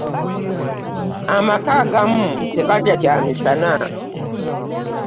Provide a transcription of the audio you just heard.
Amaka agamu tebalya kya misana.